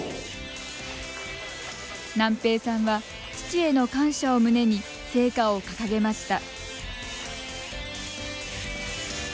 南平さんは父への感謝を胸に聖火を掲げました。